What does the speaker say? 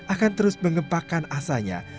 akan terus mengempakkan asanya